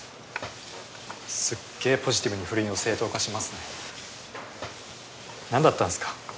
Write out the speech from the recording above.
すっげぇポジティブに不倫を正当化しますね何だったんすか？